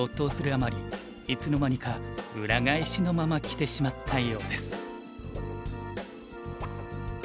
あまりいつの間にか裏返しのまま着てしまったようです。